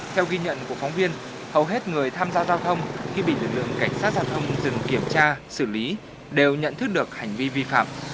theo ghi nhận của phóng viên hầu hết người tham gia giao thông khi bị lực lượng cảnh sát giao thông dừng kiểm tra xử lý đều nhận thức được hành vi vi phạm